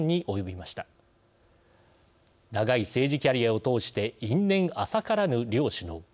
長い政治キャリアを通して因縁浅からぬ両首脳。